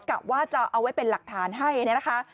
กะว่าจะเอาไว้เป็นหลักฐานให้เนี่ยนะคะ